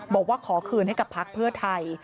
บอกว่าขอคืนให้กับพักเพื่อไทย